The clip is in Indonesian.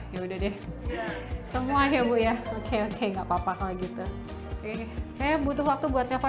ya udah deh semuanya bu ya oke oke nggak papa kalau gitu saya butuh waktu buat telepon